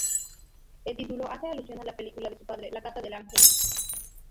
El título hace alusión a la película de su padre, "La casa del ángel".